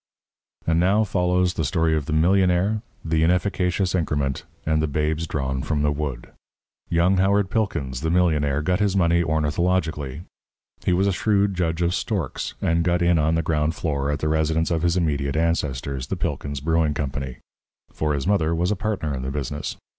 And now follows the Story of the Millionaire, the Inefficacious Increment, and the Babes Drawn from the Wood. Young Howard Pilkins, the millionaire, got his money ornithologically. He was a shrewd judge of storks, and got in on the ground floor at the residence of his immediate ancestors, the Pilkins Brewing Company. For his mother was a partner in the business.